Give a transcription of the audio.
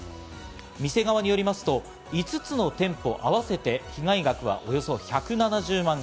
店側によりますと、５つの店舗合わせて被害額はおよそ１７０万円。